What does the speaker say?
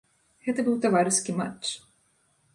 Гэта быў таварыскі матч.